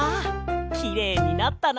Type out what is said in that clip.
きれいになったな。